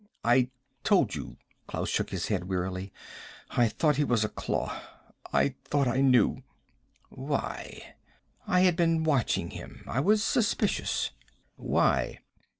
"I told you." Klaus shook his head wearily. "I thought he was a claw. I thought I knew." "Why?" "I had been watching him. I was suspicious." "Why?"